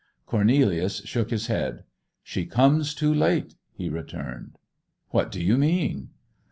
Cornelius shook his head. 'She comes too late!' he returned. 'What do you mean?